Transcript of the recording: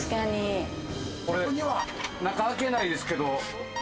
これ中開けないですけど